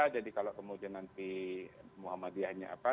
jadi kalau kemudian nanti muhammadiyah